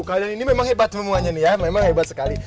kalau dan ini memang hebat semuanya nih ya memang hebat sekali